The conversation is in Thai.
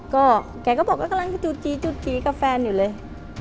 ก็แกก็บอกก็กำลังจุดจีจุดจีกับแฟนอยู่เลย